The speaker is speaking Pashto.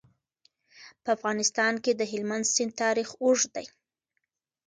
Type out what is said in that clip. په افغانستان کې د هلمند سیند تاریخ اوږد دی.